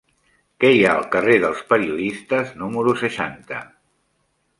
Què hi ha al carrer dels Periodistes número seixanta?